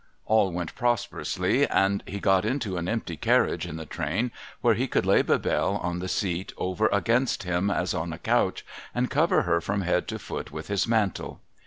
All went prosperously, and he got into an empty carriage in the train, Avhere he could lay Bebelle on the seat over against him, as on a couch, and cover her froni head to foot with his mantle.